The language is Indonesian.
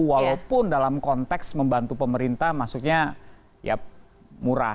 walaupun dalam konteks membantu pemerintah maksudnya ya murah